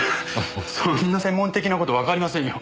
そんな専門的な事わかりませんよ。